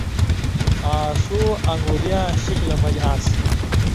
آں ݜُو انگولِیاں شکلہ مژ آن٘سیۡ۔